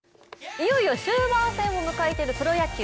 いよいよ終盤戦を迎えているプロ野球